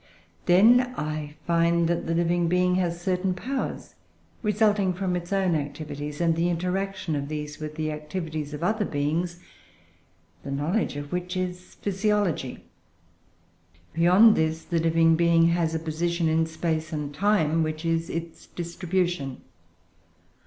Then I find that the living being has certain powers resulting from its own activities, and the interaction of these with the activities of other things the knowledge of which is PHYSIOLOGY. Beyond this the living being has a position in space and time, which is its DISTRIBUTION.